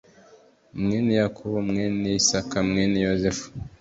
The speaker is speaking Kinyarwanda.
mwene Yakobo mwene Isaka mwene yozefu